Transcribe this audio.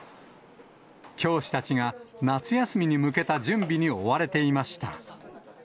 教師たちが夏休みに向けた準備に追われていました。